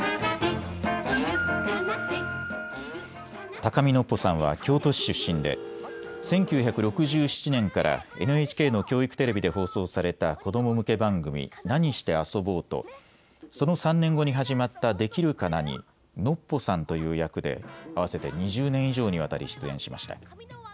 高見のっぽさんは京都市出身で１９６７年からＮＨＫの教育テレビで放送された子ども向け番組、なにしてあそぼうとその３年後に始まったできるかなにノッポさんという役で合わせて２０年以上にわたり出演しました。